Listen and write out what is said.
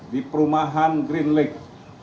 di perumahan green lake